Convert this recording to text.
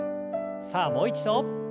さあもう一度。